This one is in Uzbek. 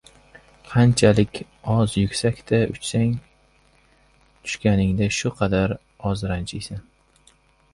• Qanchalik oz yuksakda uchsang, tushganingda shu qadar oz ranjiysan.